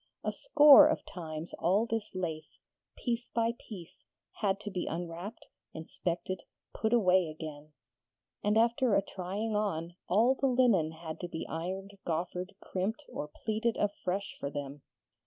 A score of times all this lace, piece by piece, had to be unwrapped, inspected, put away again; and after a trying on, all the linen had to be ironed, goffered, crimped, or pleated afresh for them.